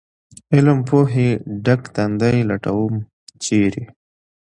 علم پوهې ډک تندي لټوم ، چېرې ؟